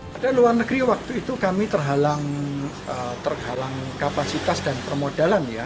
padahal luar negeri waktu itu kami terhalang kapasitas dan permodalan ya